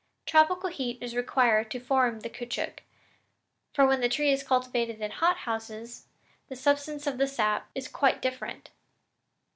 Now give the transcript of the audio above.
Tropical heat is required to form the caoutchouc; for when the tree is cultivated in hothouses, the substance of the sap is quite different.